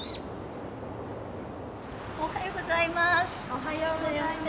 おはようございます。